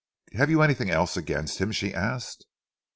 "Have you anything else against him?" she asked.